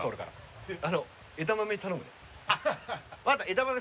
枝豆。